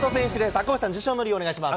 赤星さん、受賞の理由をお願いします。